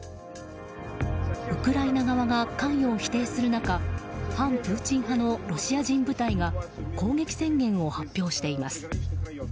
ウクライナ側が関与を否定する中反プーチン派のロシア人部隊が攻撃宣言を発表しています。